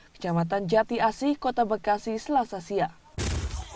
kecamatan jati asih kota bekasi selasa siang